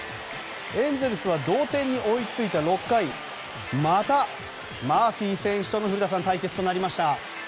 エンゼルスは同点に追いついた６回また、マーフィー選手との対決となりました。